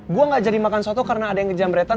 gue gak jadi makan soto karena ada yang kejamretan